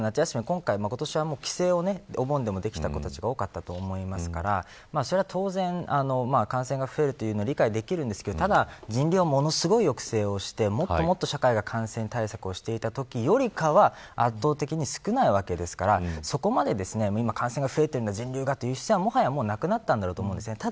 今回は帰省をお盆でできた人が多かったと思いますからそれは当然感染が増えるのは理解できますが人流をものすごい抑制をしてもっと社会が感染対策をしていたときよりかは圧倒的に少ないわけですからそこまで今、感染が増えている人流がというのはもうなくなったと思うんです。